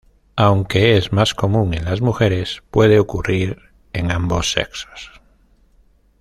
Aunque es más común en las mujeres, puede ocurrir en ambos sexos.